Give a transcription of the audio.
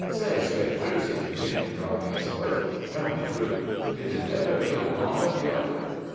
"Say, strangers," he continued, dropping his voice, "tell me true; did you 'ns ever view the harnt up yonder?"